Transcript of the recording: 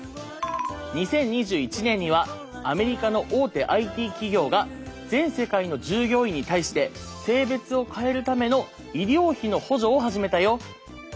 ２０２１年にはアメリカの大手ＩＴ企業が全世界の従業員に対して性別を変えるための医療費の補助を始めたよ。